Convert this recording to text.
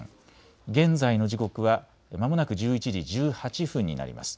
現在の時刻は、まもなく１１時１８分になります。